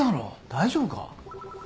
大丈夫か。